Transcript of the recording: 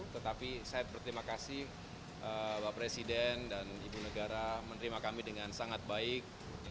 tetapi saya berterima kasih bapak presiden dan ibu negara menerima kami dengan sangat baik